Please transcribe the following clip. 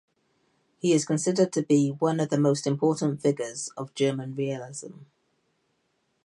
He is considered to be one of the most important figures of German realism.